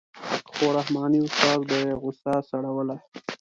خو رحماني استاد به یې غوسه سړوله.